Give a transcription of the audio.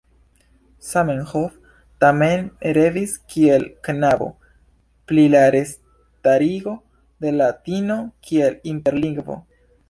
Zamenhof mem revis kiel knabo pri la restarigo de latino kiel interlingvo.